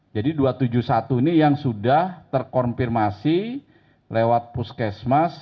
jadi dua ratus tujuh puluh satu ini yang sudah terkonfirmasi lewat puskesmas